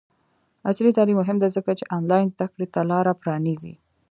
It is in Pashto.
عصري تعلیم مهم دی ځکه چې آنلاین زدکړې ته لاره پرانیزي.